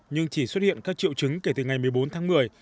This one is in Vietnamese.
nhưng chỉ xuất hiện các triệu chứng kể từ ngày một mươi bốn tháng một mươi